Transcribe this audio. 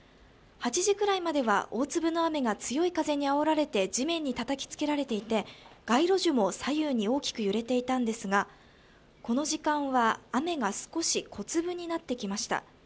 ８時くらいまでは大粒の雨が強い風にあおられて地面にたたけつけられていて、街路樹も左右に大きく揺れていたんですが、この時間は雨が少し小粒になってきました。